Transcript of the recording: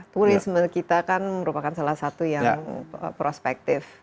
turisme kita kan merupakan salah satu yang prospektif